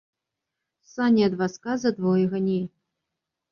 Сані ад вазка за двое гоней.